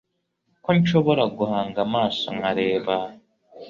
ko nshobora guhanga amaso nkareba